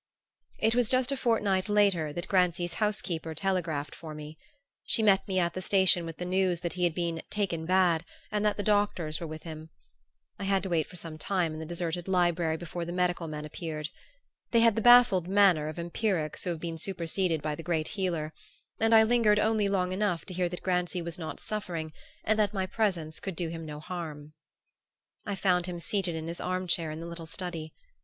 It was just a fortnight later that Grancy's housekeeper telegraphed for me. She met me at the station with the news that he had been "taken bad" and that the doctors were with him. I had to wait for some time in the deserted library before the medical men appeared. They had the baffled manner of empirics who have been superseded by the great Healer; and I lingered only long enough to hear that Grancy was not suffering and that my presence could do him no harm. I found him seated in his arm chair in the little study.